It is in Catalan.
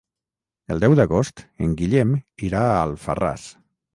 El deu d'agost en Guillem irà a Alfarràs.